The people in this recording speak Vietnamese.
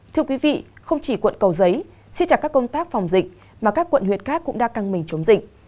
thưa quý vị không chỉ quận cầu giấy xích chặt các công tác phòng dịch mà các quận huyện khác cũng đã căng mình chống dịch